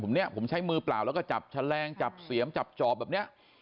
ผมใช้มือเปล่าแล้วก็จับชะแรงจับเสียมจับจอบแบบนี้